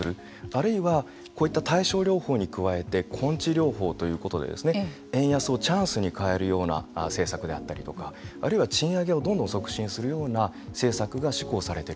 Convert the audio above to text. あるいは、こういった対症療法に加えて根治療法ということで円安をチャンスに変えるような政策であったりとかあるいは賃上げをどんどん促進するような政策が施行される